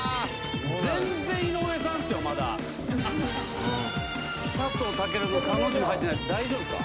全然井上さんすよまだ佐藤健の「さ」の字も入ってない大丈夫ですか？